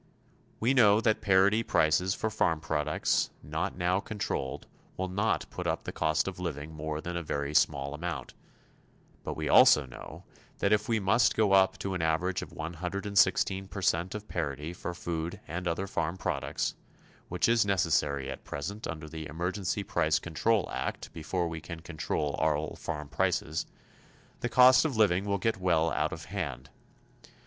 We know that parity prices for farm products not now controlled will not put up the cost of living more than a very small amount; but we also know that if we must go up to an average of 116 percent of parity for food and other farm products which is necessary at present under the Emergency Price Control Act before we can control all farm prices the cost of living will get well out of hand.